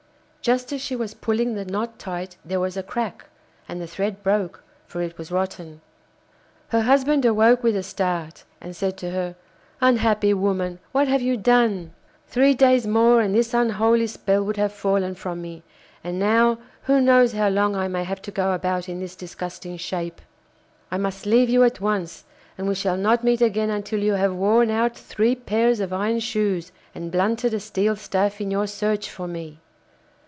Just as she was pulling the knot tight there was a crack, and the thread broke, for it was rotten. Her husband awoke with a start, and said to her, 'Unhappy woman, what have you done? Three days more and this unholy spell would have fallen from me, and now, who knows how long I may have to go about in this disgusting shape? I must leave you at once, and we shall not meet again until you have worn out three pairs of iron shoes and blunted a steel staff in your search for me.